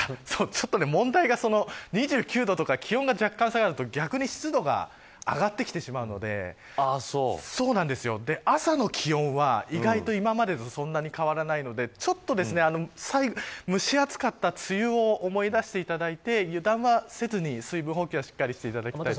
問題が、その２９度とか気温が若干、下がると逆に湿度が上がってきてしまうので朝の気温は意外と今までとそんなに変わらないのでちょっと蒸し暑かった梅雨を思い出していただいて油断はせずに水分補給はしっかりしていただきたい